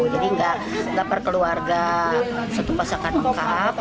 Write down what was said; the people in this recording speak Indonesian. jadi nggak perkeluarga satu pasakan lengkap